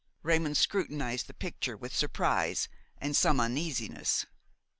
Raymon scrutinized the picture with surprise and some uneasiness.